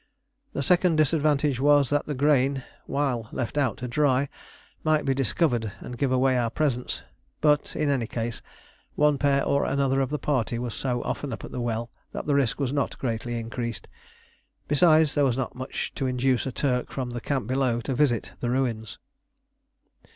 The second disadvantage was that the grain, while left out to dry, might be discovered and give away our presence; but, in any case, one pair or another of the party was so often up at the well that the risk was not greatly increased; besides, there was not much to induce a Turk from the camp below to visit the ruins.